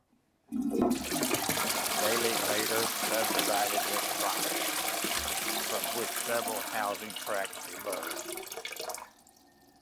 Daly later subdivided his property, from which several housing tracts emerged.